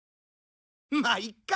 まあいっか。